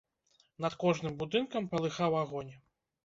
Над кожным будынкам палыхаў агонь.